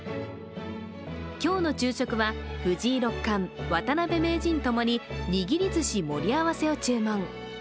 今日の昼食は藤井六冠、渡辺名人ともににぎり寿司盛り合わせを注文。